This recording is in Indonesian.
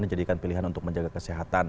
menjadikan pilihan untuk menjaga kesehatan